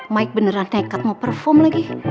mike beneran dekat mau perform lagi